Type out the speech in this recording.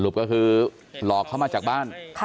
ก็คือหลอกเขามาจากบ้าน